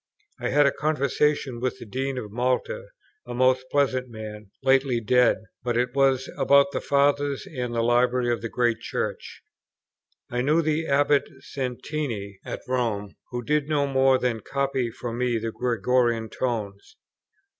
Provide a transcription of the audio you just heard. I had a conversation with the Dean of Malta, a most pleasant man, lately dead; but it was about the Fathers, and the Library of the great church. I knew the Abbate Santini, at Rome, who did no more than copy for me the Gregorian tones.